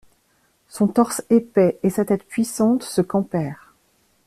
Son torse épais et sa tête puissante se campèrent.